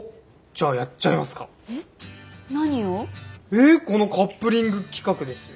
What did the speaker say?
えっこのカップリング企画ですよ。